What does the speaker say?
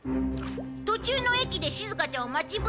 途中の駅でしずかちゃんを待ち伏せするんだ。